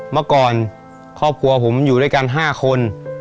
เมื่อก่อนครอบครัวผมอยู่ด้วยกัน๕คน